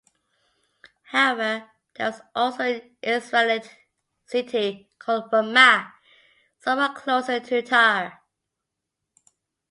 However, there was also an Israelite city called "Ramah", somewhat closer to Tyre.